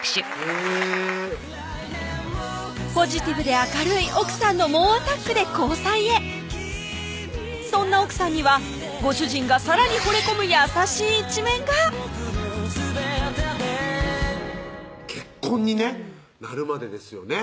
へぇポジティブで明るい奥さんの猛アタックで交際へそんな奥さんにはご主人がさらにほれ込む優しい一面が結婚にねなるまでですよね